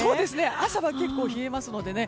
朝は結構冷えますのでね。